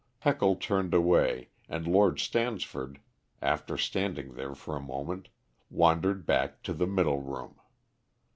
Heckle turned away, and Lord Stansford, after standing there for a moment, wandered back to the middle room.